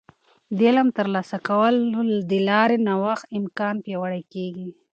د علم د ترلاسه کولو د لارې د نوښت امکان پیاوړی کیږي.